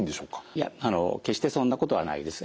いや決してそんなことはないです。